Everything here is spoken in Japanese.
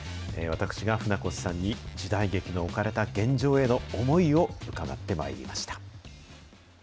私が船越さんに時代劇の置かれた現状への思いを伺ってまいりました。